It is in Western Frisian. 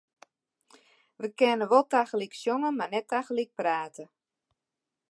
Wy kinne wol tagelyk sjonge, mar net tagelyk prate.